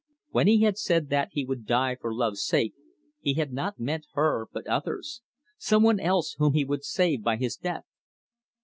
When he had said that he would die for love's sake, he had not meant her, but others some one else whom he would save by his death.